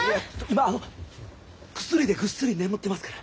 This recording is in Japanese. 今薬でぐっすり眠ってますから。